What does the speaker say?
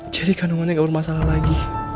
jadi kandungannya gak bermasalah lagi